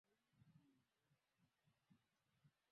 Katika siku yenye hisia kali